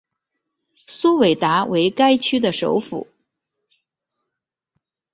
苏韦达为该区的首府。